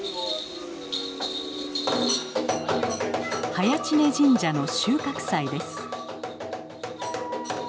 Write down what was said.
早池峰神社の収穫祭です。